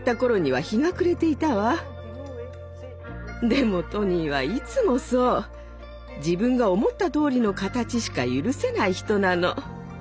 でもトニーはいつもそう。自分が思ったとおりの形しか許せない人なの。